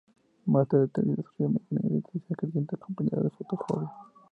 Más tarde, Teddy desarrolla migrañas de intensidad creciente acompañada de fotofobia.